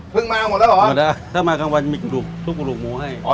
เพิ่งมาหมดแล้วหรอหมดแล้วถ้ามากลางวันมีกระดูกหมูให้